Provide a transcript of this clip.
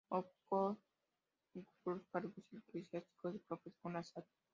O'Connor ocupó los cargos eclesiásticos de profesor en la "St.